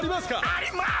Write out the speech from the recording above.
あります！